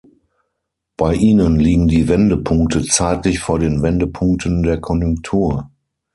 Bei ihnen liegen die Wendepunkte zeitlich vor den Wendepunkten der Konjunktur.